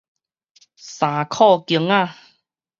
衫褲弓仔